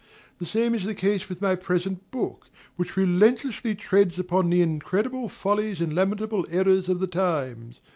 The same is the case with my present book, which relentlessly treads upon the incredible follies and lamentable errors of the times.